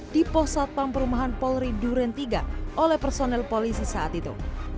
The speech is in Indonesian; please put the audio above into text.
di posat pamperemahan polri duren tiga oleh personel polisi saat itu